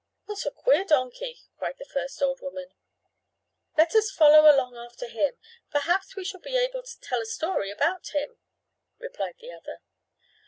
"What a queer donkey!" cried the first old woman. "Let us follow along after him. Perhaps we shall be able to tell a story about him," replied the other.